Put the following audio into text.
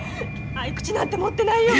あいくちなんて持ってないよ。